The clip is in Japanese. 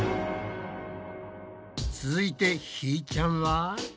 続いてひ―ちゃんは。